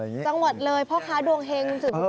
จังหวัดเลยพ่อค้าดวงเฮงสุธุคุณ